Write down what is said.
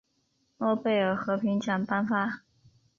诺贝尔和平奖颁发。